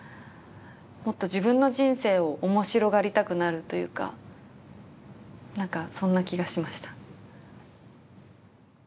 もっと自分の人生を面白がりたくなるというか何かそんな気がしました。